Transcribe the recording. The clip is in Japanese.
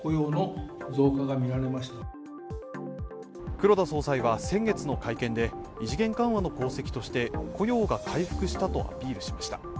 黒田総裁は先月の会見で異次元緩和の功績として雇用が回復したとアピールしました。